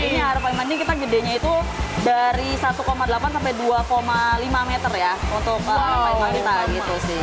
ini harapan mandi kita gedenya itu dari satu delapan sampai dua lima meter ya untuk level kita gitu sih